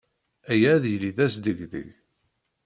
Aya ad yili d asdegdeg.